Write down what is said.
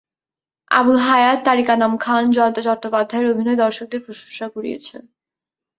আবুল হায়াত, তারিক আনাম খান, জয়ন্ত চট্টোপাধ্যায়ের অভিনয় দর্শকদের প্রশংসা কুড়িয়েছে।